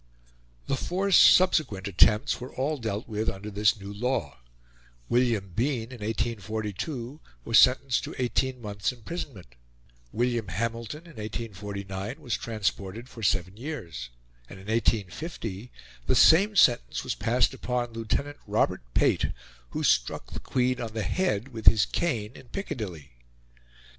The four subsequent attempts were all dealt with under this new law; William Bean, in 1842, was sentenced to eighteen months' imprisonment; William Hamilton, in 1849, was transported for seven years; and, in 1850, the same sentence was passed upon Lieutenant Robert Pate, who struck the Queen on the head with his cane in Piccadilly.